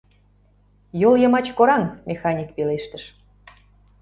— Йол йымач кораҥ, — Механик пелештыш.